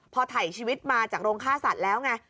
พอถ่ายชีวิตมาจากโรงฆ่าสัตว์แล้วไง